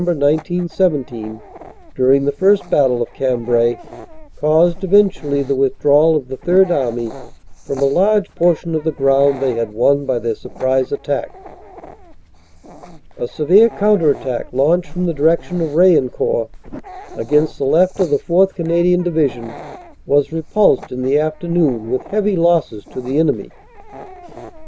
1917, during the first battle of Cambrai, caused eventu ally the withdrawal of the Third Army from a large portion of the ground they had won by their surprise attack. "A severe counter attack launched from the direction of Raillencourt, against the left of the 4th. Canadian Division, was repulsed in the afternoon with heavy losses to the enemy.